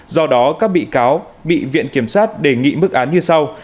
do đó các bị cáo bị viện kiểm sát đề nghị mức án như sau